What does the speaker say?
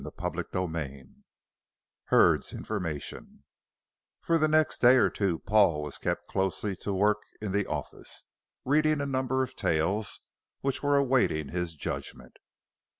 CHAPTER XVII HURD'S INFORMATION For the next day or two Paul was kept closely to work in the office, reading a number of tales which were awaiting his judgment.